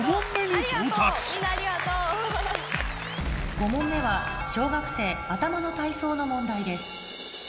５問目は小学生頭の体操の問題です